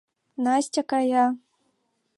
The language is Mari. Настя кая.